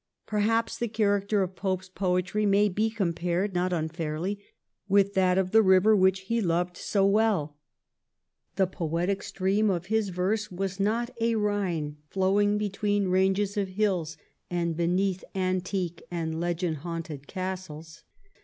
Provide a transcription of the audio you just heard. Perhaps the character of Pope's poetry may be compared not unfairly with that of the river which he loved so well. The poetic stream of his verse was not a Ehine flowing between ranges of hills and beneath antique and legend haunted castles.